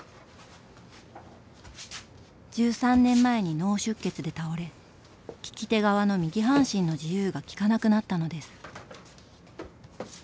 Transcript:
１３年前に脳出血で倒れ利き手側の右半身の自由が利かなくなったのです。